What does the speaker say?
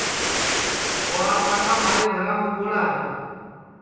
گُوار پاٹھا مھارے گھرام اُگوڑا ہے